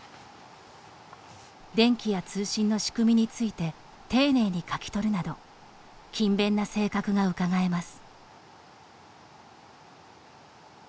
電気や通信の仕組みについて丁寧に書き取るなど勤勉な性格がうかがえます。